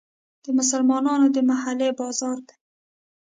د مسلمانانو د محلې بازار دی.